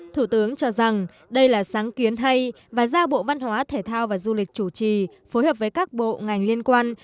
thủ tướng cho rằng đây là sáng kiến hay và ra bộ văn hóa thể thao và du lịch chủ trì phối hợp với các bộ ngành liên quan